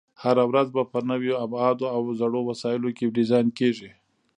هره ورځ به په نویو ابعادو او زړو وسایلو کې ډیزاین کېږي.